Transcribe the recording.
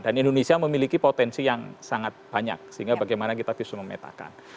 dan indonesia memiliki potensi yang sangat banyak sehingga bagaimana kita bisa memetakan